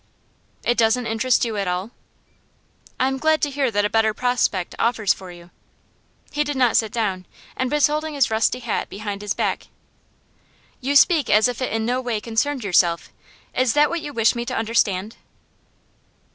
'It doesn't interest you at all?' 'I am glad to hear that a better prospect offers for you.' He did not sit down, and was holding his rusty hat behind his back. 'You speak as if it in no way concerned yourself. Is that what you wish me to understand?